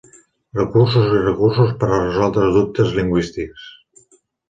Recursos i recursos per a resoldre dubtes lingüístics.